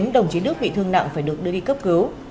chín đồng chí đức bị thương nặng phải được đưa đi cấp cứu